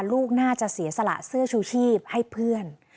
ลูกน่าจะเสียสละเสื้อชูชีพให้เพื่อน